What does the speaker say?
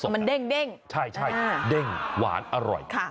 มันเด้งใช่เด้งหวานอร่อย